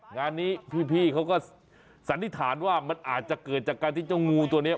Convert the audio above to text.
งานนี้พี่เขาก็สันนิษฐานว่ามันอาจจะเกิดจากการที่เจ้างูตัวนี้